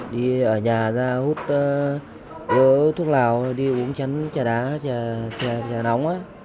đi ở nhà ra hút thuốc lào đi uống chắn trà đá nóng